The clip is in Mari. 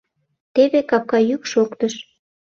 Теве капка йӱк шоктыш.